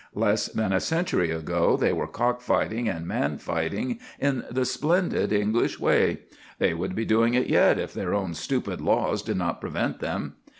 Less than a century ago they were cock fighting and man fighting in the splendid English way. They would be doing it yet, if their own stupid laws did not prevent them.